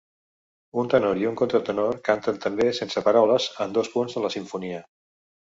Un tenor i un contratenor canten també sense paraules en dos punts de la simfonia.